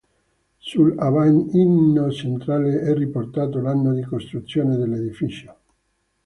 Sull'abbaino centrale è riportato l'anno di costruzione dell'edificio.